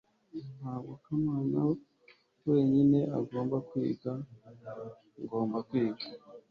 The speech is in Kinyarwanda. ntabwo kamana wenyine agomba kwiga. ngomba kwiga